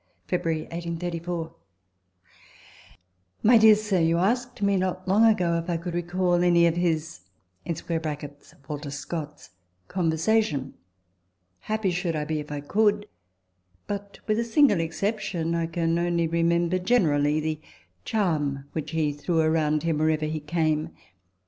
February, 1834. MY DEAR SIR,* Yon asked me not long ago if I could recall any of his [Walter Scott's] conversation. Happy should I be if I could ; but, with a single exception, I can only remember generally the charm which he threw around him wherever he came.